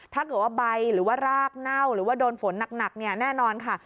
ถ้าเกิดว่าใบหรือว่ารากเน่าหรือว่าโดนฝนหนักเนี่ยแน่นอนค่ะ